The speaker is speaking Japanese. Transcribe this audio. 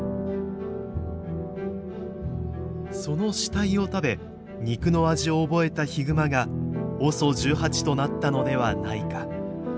その死体を食べ肉の味を覚えたヒグマがＯＳＯ１８となったのではないか。